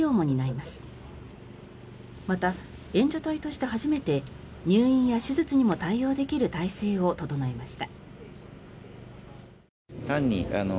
また、援助隊として初めて入院や手術にも対応できる態勢を整えました。